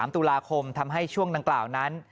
๓ตุลาคมทำให้ช่วงดังกล่าวนั้น